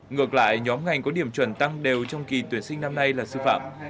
ngược lại nhóm ngành có điểm chuẩn tăng đều trong kỳ tuyển sinh năm nay là sư phạm